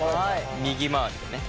右回りでね。